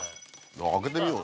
開けてみよう。